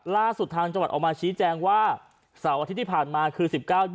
ล่าสุดทางจังหวัดออกมาชี้แจงว่าเสาร์อาทิตย์ที่ผ่านมาคือ๑๙๒